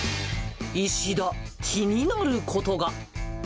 石田、気になることが。